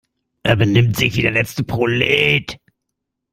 Er benimmt sich wie der letzte Prolet.